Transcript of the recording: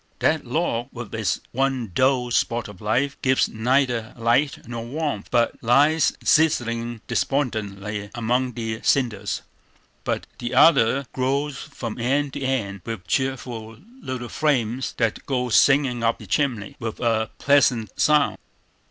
That log, with its one dull spot of fire, gives neither light nor warmth, but lies sizzling despondently among the cinders. But the other glows from end to end with cheerful little flames that go singing up the chimney with a pleasant sound.